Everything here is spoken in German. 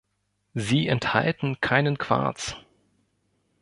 Sie enthalten keinen Quarz.